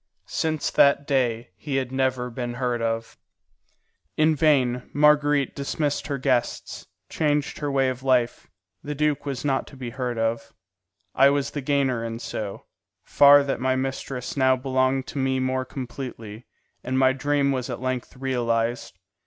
Since that day he had never been heard of. In vain Marguerite dismissed her guests, changed her way of life; the duke was not to be heard of. I was the gainer in so far that my mistress now belonged to me more completely, and my dream was at length realized.